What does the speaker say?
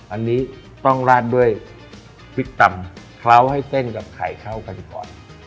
อันนี้ต้องราดด้วยพริกตำเคล้าให้เส้นกับไข่เข้ากันก่อน